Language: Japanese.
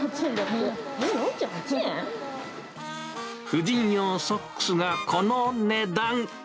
婦人用ソックスがこの値段。